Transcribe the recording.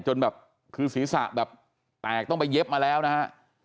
จนแบบคือศีรษะแบบแตกต้องไปเย็บมาแล้วนะฮะ